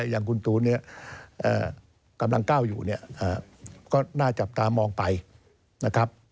อย่างคุณตูนกำลังก้าวอยู่ก็น่าจับตามองไปนะครับ